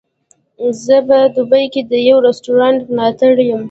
زه په دوبۍ کې د یوه رستورانت ملاتړی یم.